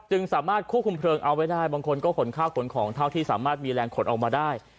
สามารถควบคุมเพลิงเอาไว้ได้บางคนก็ขนข้าวขนของเท่าที่สามารถมีแรงขนออกมาได้